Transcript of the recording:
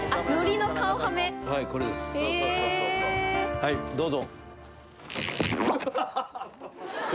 はいどうぞ。